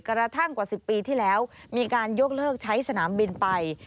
กระทั่งกว่า๑๐ปีที่แล้วมีการยกเลิกใช้สนามบินไป